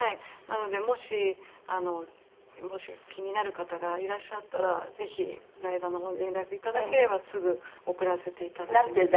なのでもしもし気になる方がいらっしゃったらぜひ財団の方に連絡いただければすぐ送らせていただきます。